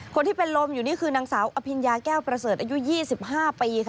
คนที่เป็นลมอยู่นี่คือนางสาวอภิญญาแก้วประเสริฐอายุ๒๕ปีค่ะ